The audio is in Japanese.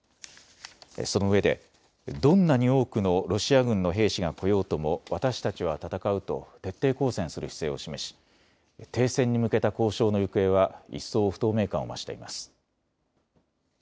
そのうえでどんなに多くのロシア軍の兵士が来ようとも私たちは戦うと徹底抗戦する姿勢を示し停戦に向けた交渉の行方は一層、不透明感を増しています。